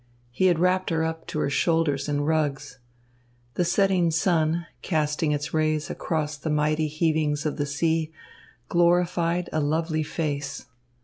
He had wrapped her up to her shoulders in rugs. The setting sun, casting its rays across the mighty heavings of the sea, glorified a lovely face.